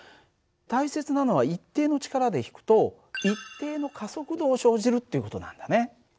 大切なのは一定の力で引くと一定の加速度を生じるっていう事なんだね。